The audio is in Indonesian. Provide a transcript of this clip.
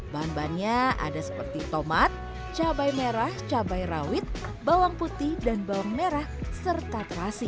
bahan bahannya ada seperti tomat cabai merah cabai rawit bawang putih dan bawang merah serta terasi